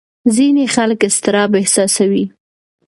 ځینې خلک اضطراب احساسوي.